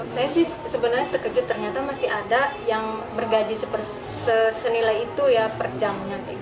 saya sih sebenarnya terkejut ternyata masih ada yang bergaji senilai itu ya per jamnya